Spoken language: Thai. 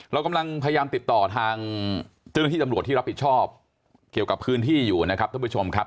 เรากำลังพยายามติดต่อทางเจ้าหน้าที่ตำรวจที่รับผิดชอบเกี่ยวกับพื้นที่อยู่นะครับท่านผู้ชมครับ